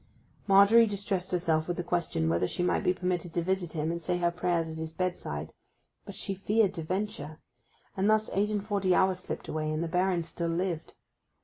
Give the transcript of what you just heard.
Margery distressed herself with the question whether she might be permitted to visit him and say her prayers at his bedside; but she feared to venture; and thus eight and forty hours slipped away, and the Baron still lived.